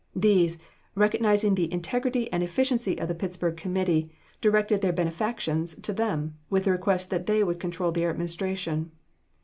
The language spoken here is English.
These, recognizing the integrity and efficiency of the Pittsburg committee, directed their benefactions to them, with the request that they would control their administration.